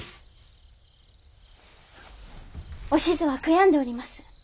おしづは悔やんでおります。